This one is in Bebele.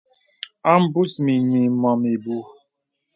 A mbus mìnyì mɔ̀m ìbùù.